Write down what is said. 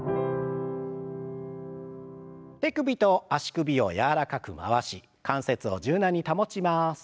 手首と足首を柔らかく回し関節を柔軟に保ちます。